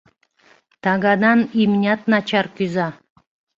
Таганан имнят начар кӱза.